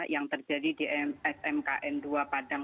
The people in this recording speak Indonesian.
yang terjadi di smkn dua padang